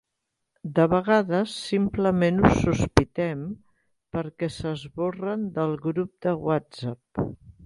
De vegades simplement ho sospitem perquè s'esborren del grup de whatsapp.